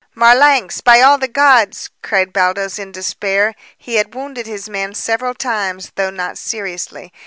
"Marlanx! By all the gods!" cried Baldos in despair. He had wounded his man several times, though not seriously.